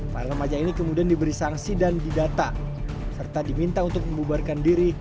para remaja ini kemudian diberi sanksi dan didata serta diminta untuk membubarkan diri